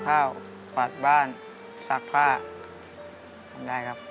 ผัดบ้านสักผ้า